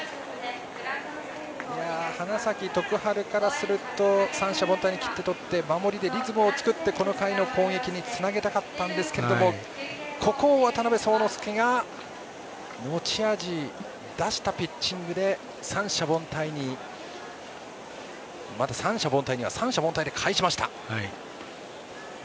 花咲徳栄からすると三者凡退に切ってとって守りでリズムを作ってこの回の攻撃につなげたかったんですけどここを渡邉聡之介が持ち味出したピッチングで三者凡退には三者凡退で返しました。